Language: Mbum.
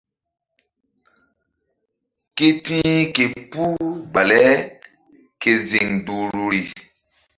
Ke ti̧h ke puh baleke ziŋ duhruri.